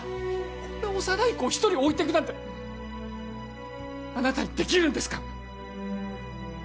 こんな幼い子を一人置いてくなんてあなたにできるんですか？